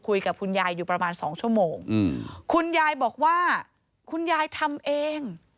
คุยกับคุณยายอยู่ประมาณสองชั่วโมงอืมคุณยายบอกว่าคุณยายทำเอง